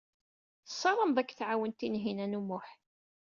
Tessaramed ad k-tɛawen Tinhinan u Muḥ.